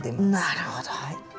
なるほど。